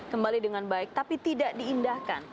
kembali dengan baik tapi tidak diindahkan